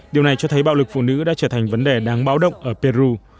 điều này cho thấy bạo lực phụ nữ đã trở thành vấn đề đáng báo động ở peru